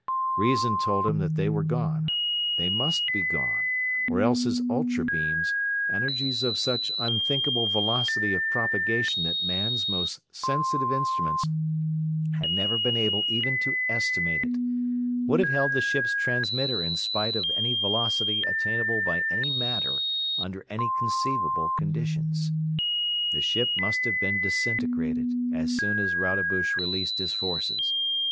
Reason told him that they were gone. They must be gone, or else his ultra beams energies of such unthinkable velocity of propagation that man's most sensitive instruments had never been able even to estimate it would have held the ship's transmitter in spite of any velocity attainable by any matter under any conceivable conditions. The ship must have been disintegrated as soon as Rodebush released his forces.